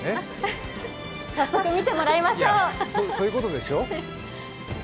早速見てもらいましょう。